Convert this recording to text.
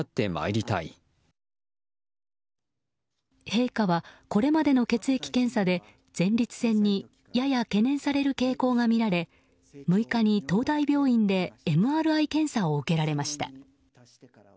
陛下は、これまでの血液検査で前立腺にやや懸念される傾向がみられ６日に東大病院でＭＲＩ検査を受けられました。